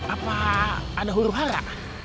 apa ada huru hara